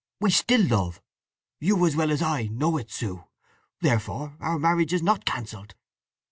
We still love—you as well as I—know it, Sue! Therefore our marriage is not cancelled."